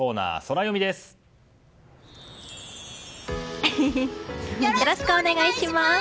よろしくお願いします！